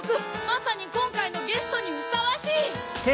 まさにこんかいのゲストにふさわしい！